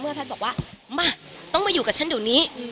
แพทย์บอกว่ามาต้องมาอยู่กับฉันเดี๋ยวนี้